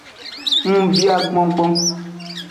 Ngubia gbongbon.